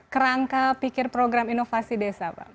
kerangka pikir program inovasi desa pak